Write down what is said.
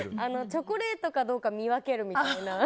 チョコレートかどうか見分けるみたいな。